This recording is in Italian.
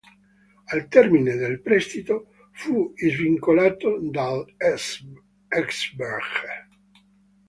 Al termine del prestito, fu svincolato dall'Esbjerg.